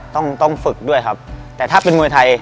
ต้องต้องฝึกด้วยครับแต่ถ้าเป็นมวยไทย